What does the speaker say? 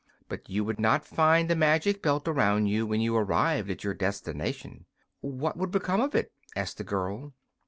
But you would not find the magic belt around you when you arrived at your destination." "What would become of it?" asked the girl.